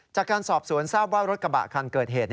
จากการสอบสวนทราบว่ารถกระบะคันเกิดเหตุ